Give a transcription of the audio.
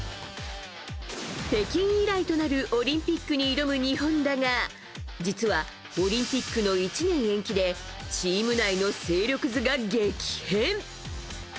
北京以来となるオリンピックに挑む日本だが実は、オリンピックの１年延期でチーム内の勢力図が激変。